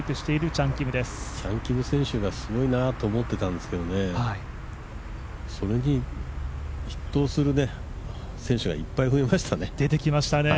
チャン・キム選手がすごいなと思ってたんですけど、それに匹敵する選手がいっぱい増えましたね。